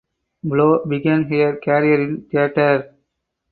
Blow began her career in theater.